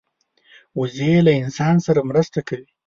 وزې له انسان سره مرسته کوي